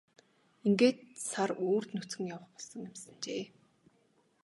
Ингээд сар үүрд нүцгэн явах болсон юмсанжээ.